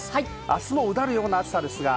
明日もうだるような暑さですが、